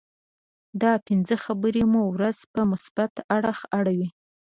دا پنځه خبرې مو ورځ په مثبت اړخ اړوي.